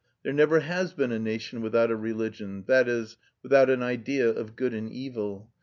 There never has been a nation without a religion, that is, without an idea of good and evil.